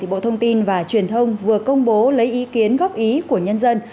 bộ thông tin và truyền thông vừa công bố lấy ý kiến góp ý của nhân dân